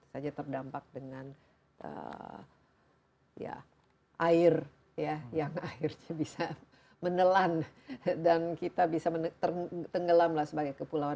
saja terdampak dengan air ya yang akhirnya bisa menelan dan kita bisa tenggelam sebagai kepulauan